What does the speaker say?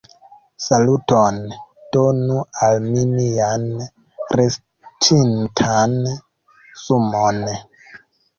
Saluton, donu al mi mian restintan sumon